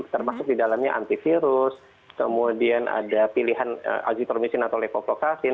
termasuk di dalamnya antivirus kemudian ada pilihan azitromisin atau lefoplokasin